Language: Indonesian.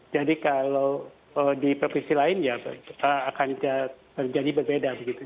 jadi kalau di provinsi lain ya akan jadi berbeda begitu